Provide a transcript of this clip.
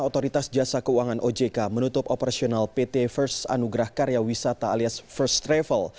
otoritas jasa keuangan ojk menutup operasional pt first anugrah karya wisata alias first travel